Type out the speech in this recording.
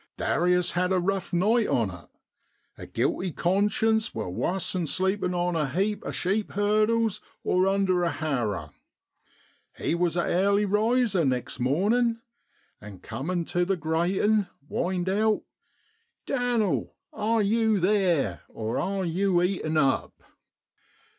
Darius had a rough night on it. A guilty conscience wor'wuss 'an sleepin' on a heap o' sheep hurdles or under a harrer. He was a airly riser next mornin', and cumin' tu the gratin whined out, i Dan'l are yew theer, or are yew eaten up